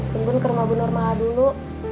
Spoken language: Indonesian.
bun bun ke rumah bu normala dulu